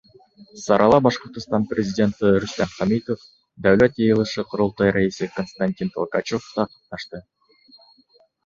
Сарала Башҡортостан Президенты Рөстәм Хәмитов, Дәүләт Йыйылышы — Ҡоролтай Рәйесе Константин Толкачев та ҡатнашты.